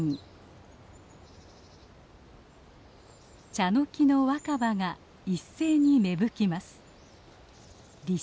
チャノキの若葉が一斉に芽吹きます。